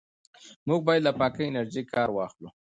موږ باید له پاکې انرژۍ کار واخلو.